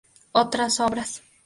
Otras obras